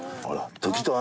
あら。